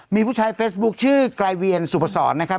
มีผู้ชายเฟสบุ๊คชื่อไกรเวียนสุรปศรนะครับ